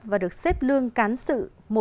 và được xếp lương cán sự một tám mươi sáu